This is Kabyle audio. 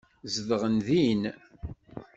Zedɣen din.